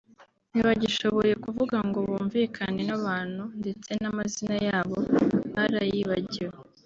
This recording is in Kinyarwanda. ntibagishoboye kuvuga ngo bumvikane n’abantu ndetse n’amazina yabo barayibagiwe’’